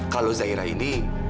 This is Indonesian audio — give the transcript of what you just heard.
kalau zahira ini